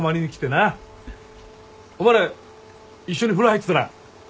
お前ら一緒に風呂入ってたな。